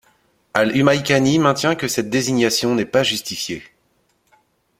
Al-Humayqani maintient que cette désignation n’est pas justifiée.